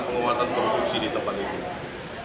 penguatan produksi di tempat itu